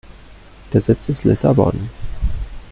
Der Sitz ist Lissabon.